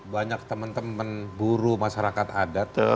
banyak teman teman buruh masyarakat adat